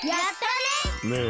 ねえ。